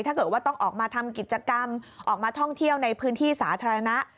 ถ้าเกิดว่าต้องออกมาทำกิจกรรมออกมาท่องเที่ยวในพื้นที่สาธารณะ